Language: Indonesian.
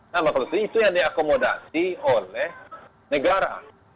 nah maka itu yang diakomodasi oleh negara